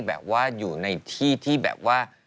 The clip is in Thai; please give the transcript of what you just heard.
แบบว่าอยู่ในที่ที่แบบว่า